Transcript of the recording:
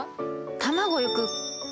卵よく。